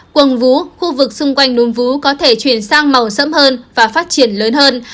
quần vú khu vực xung quanh núi vú có thể chuyển sang màu sẫm hơn và phát triển lớn hơn